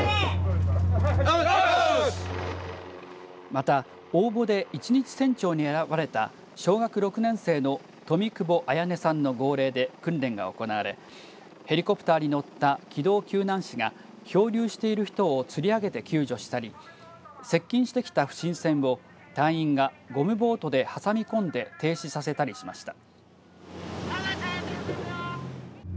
また応募で一日船長に選ばれた小学６年生の富窪文音さんの号令で訓練が行われヘリコプターに乗った機動救難士が漂流している人をつり上げて救助したり接近してきた不審船を隊員がゴムボートで挟み込んで停止させたりしました。